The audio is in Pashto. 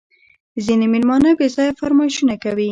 ځیني مېلمانه بېځایه فرمایشونه کوي